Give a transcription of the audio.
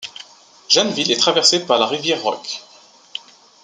Janesville est traversée par la rivière Rock.